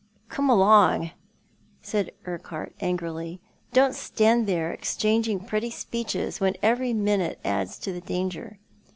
" Come along," said Urquhart, angrily. " Don't stand there exchanging pretty speeches when every minute adds to the danger."